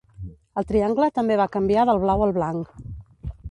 El triangle també va canviar del blau al blanc.